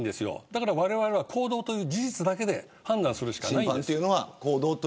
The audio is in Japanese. だから、われわれは行動という事実だけで判断するしかないです。